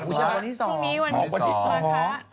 พรุ่งนี้วันพระวันที่๒ขอบพระ